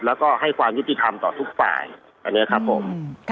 แล้วก็ให้ความยุติธรรมต่อทุกฝ่ายอันนี้ครับผม